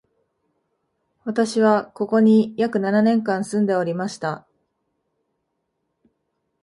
私は、ここに約七年間住んでおりました